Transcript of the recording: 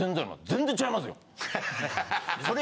全然違いますよ。